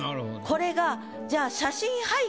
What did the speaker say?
これがじゃあ。